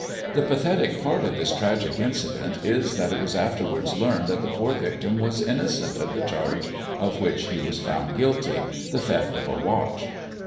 The pathetic part of this tragic incident is that it was afterwards learned that the poor victim was innocent of the charge of which he was found guilty, the theft of a watch.